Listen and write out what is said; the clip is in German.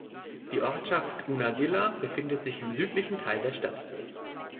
Die Ortschaft Unadilla befindet sich im südlichen Teil der Stadt.